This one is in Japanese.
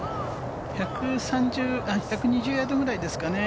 １２０ヤードぐらいですかね。